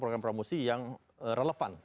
program promosi yang relevan